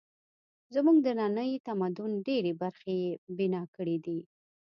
زموږ د ننني تمدن ډېرې برخې یې بنا کړې دي.